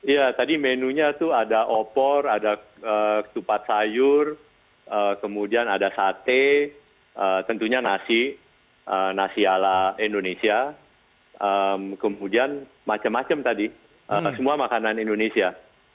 ya tadi menunya itu ada opor ada ketupat sayur kemudian ada sate tentunya nasi nasi ala indonesia kemudian macam macam tadi semua makanan indonesia